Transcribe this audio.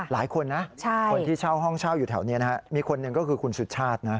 หลายคนนะคนที่เช่าห้องเช่าอยู่แถวนี้นะฮะมีคนหนึ่งก็คือคุณสุชาตินะ